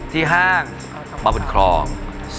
๑ที่ห้างบำรุนครอง